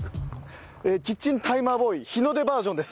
キッチンタイマーボーイ日の出バージョンです。